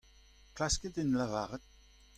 Klaskit en lavaret.